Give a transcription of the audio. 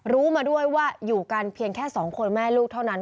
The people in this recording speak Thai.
รู้มาด้วยว่าอยู่กันเพียงแค่๒คนแม่ลูกเท่านั้น